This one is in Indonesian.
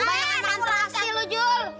bayangkan mutilasi lu jul